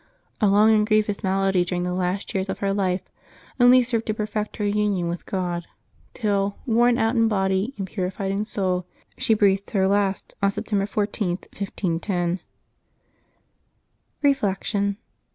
A long and grievous malady during the last years of her life only served to per fect her union with God, till, worn out in body and puri fied in soul, she breathed her last on September 14, 1510. Reflection.